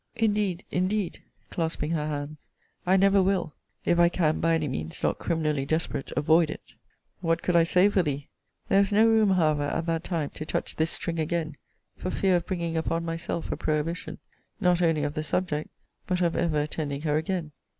Indeed, indeed, clasping her hands, I never will, if I can, by any means not criminally desperate, avoid it. What could I say for thee? There was no room, however, at that time, to touch this string again, for fear of bringing upon myself a prohibition, not only of the subject, but of ever attending her again.